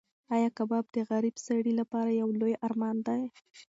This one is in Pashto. ایا کباب د غریب سړي لپاره یو لوی ارمان دی؟